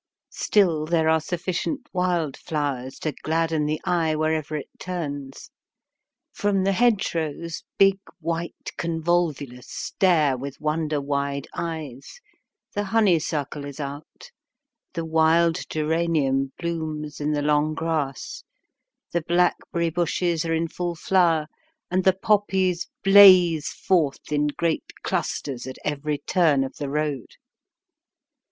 Still there are sufficient wild flowers to gladden the eye wherever it turns. From the hedgerows big white convolvulus stare with wonder wide eyes, the honeysuckle is out, the wild geranium blooms in the long grass, the blackberry bushes are in full flower, and the poppies blaze forth in great clusters at every turn of the road.